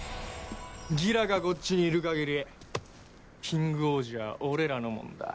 ギラがこっちにいる限りキングオージャーは俺らのもんだ。